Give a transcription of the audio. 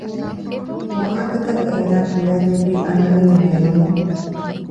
ވާހަކަތައް އޭނާ ކިޔައިދެއްވީ އަންނަނިވި މޭރުމުން